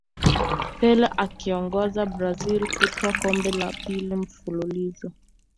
pele akiiongoza brazil kutwaa kombe la pili mfululizo